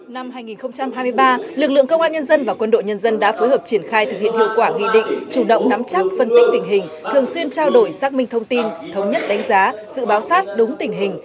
năm hai nghìn hai mươi ba lực lượng công an nhân dân và quân đội nhân dân đã phối hợp triển khai thực hiện hiệu quả nghị định chủ động nắm chắc phân tích tình hình thường xuyên trao đổi xác minh thông tin thống nhất đánh giá dự báo sát đúng tình hình